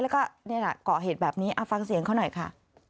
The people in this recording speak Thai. แล้วก็นี่แหละก่อเหตุแบบนี้ฟังเสียงเขาหน่อยค่ะ